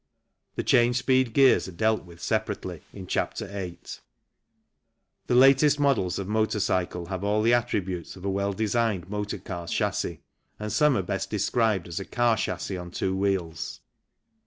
The change speed gears are dealt with separately in Chapter VIII. 114 THE CYCLE INDUSTRY The latest models of motor cycle have all the attributes of a well designed motor car chassis, and some are best described as a car chassis on two wheels.